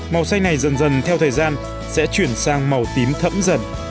màu xanh này dần dần theo thời gian sẽ chuyển sang màu tím thẫm dần